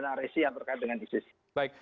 narasi yang terkait dengan isis